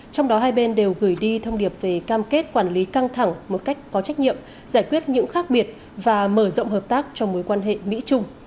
trong đó hai bên đều gửi đi thông điệp về cam kết quản lý căng thẳng một cách có trách nhiệm giải quyết những khác biệt và mở rộng hợp tác cho mối quan hệ mỹ trung